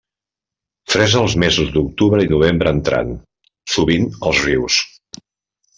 Fresa als mesos d'octubre i novembre entrant, sovint, als rius.